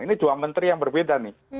ini dua menteri yang berbeda nih